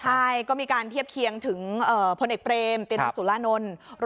ใช่ก็มีการเทียบเคียงถึงพลเอกเปรมตินสุรานนท์